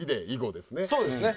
そうですね。